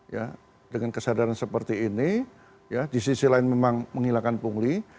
ya dengan kesadaran seperti ini ya di sisi lain memang menghilangkan pungli